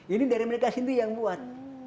ini dari mereka sendiri yang buat